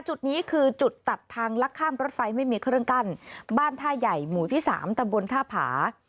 จุดนี้คือจุดตัดทางลักข้ามรถไฟไม่มีเครื่องกั้นบ้านท่าใหญ่หมู่ที่สามตะบนท่าผา